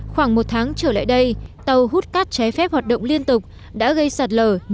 khoảng một tháng trở lại đây tàu hút cát trái phép hoạt động liên tục đã gây sạt lở